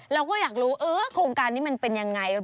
เราก็อยากรู้โครงการนี้มันเป็นยังไง